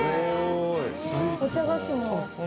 お茶菓子も。